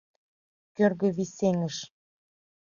Кӧргӧ вий сеҥыш.